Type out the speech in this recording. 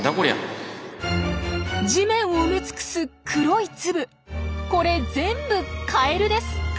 地面を埋め尽くす黒い粒これ全部カエルです！